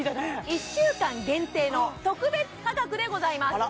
１週間限定の特別価格でございます